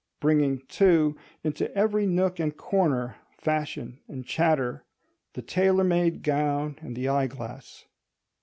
Bringing, too, into every nook and corner fashion and chatter, the tailor made gown and the eyeglass.